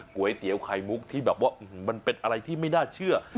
ก๋วยเตี๋ยวไข่มุกที่แบบว่ามันเป็นอะไรที่ไม่น่าเชื่อ